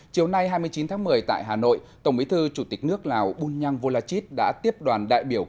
chiều nay hai mươi chín tháng một mươi tại hà nội tổng bí thư chủ tịch nước lào bunyang volachit đã tiếp đoàn đại biểu